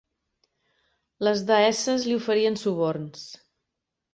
Les deesses li ofereixen suborns.